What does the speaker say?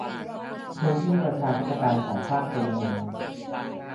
พื้นที่ประชาธิปไตยของภาคพลเมือง